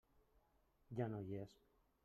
Ja no hi és.